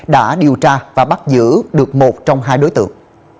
đã điều tra và bắt giữ được một trong hai đối tượng